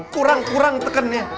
kurang kurang tekannya